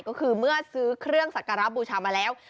ก็คือเมื่อซื้อเครื่องสักการะบูชามาแล้ว